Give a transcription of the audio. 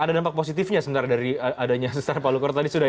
ada dampak positifnya sebenarnya dari adanya sesar palukoro tadi